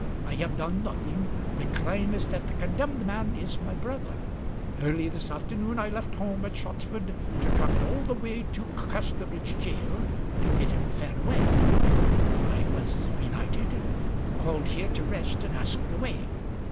I have done nothing; my crime is that the condemned man is my brother. Early this afternoon I left home at Anglebury to tramp it all the way to Casterbridge gaol to bid him farewell. I was benighted, and called here to rest and ask the way.